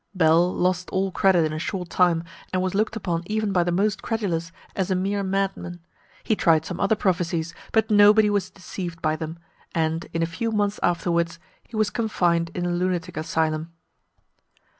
Bell lost all credit in a short time, and was looked upon even by the most credulous as a mere madman. He tried some other prophecies, but nobody was deceived by them; and, in a few months afterwards, he was confined in a lunatic asylum.